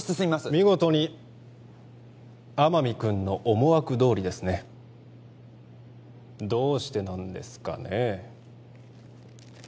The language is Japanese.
見事に天海君の思惑どおりですねどうしてなんですかねえ？